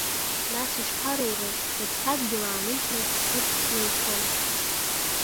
Нас ишԥарурыз, рыԥсадгьыл ааныжьны иқәҵны ицон.